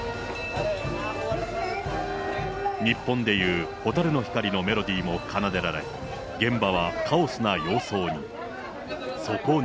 日本でいう、蛍の光のメロディーも奏でられ、現場はカオスな様相に。